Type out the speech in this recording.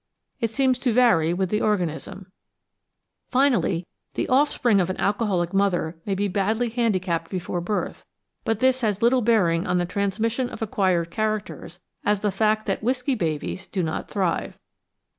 It seems to vary with the organism. Finally, the offspring of an alcoholic mother may be badly handicapped before birth, but this has as little bearing on the transmission of acquired characters as the fact that whisky babies do not thrive.